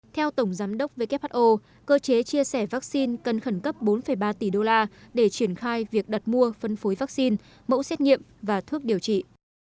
theo tổng giám đốc who cơ chế chia sẻ vaccine cần khẩn cấp bốn ba tỷ đô la để triển khai việc đặt mua phân phối vaccine mẫu xét nghiệm và thuốc điều trị